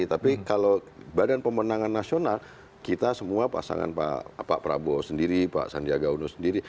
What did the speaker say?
tapi kalau badan pemenangan nasional kita semua pasangan pak prabowo sendiri pak sandiaga uno sendiri